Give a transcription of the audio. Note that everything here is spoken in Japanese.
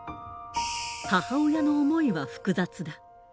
母親の思いは複雑だ。